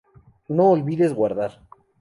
No olvides guardar.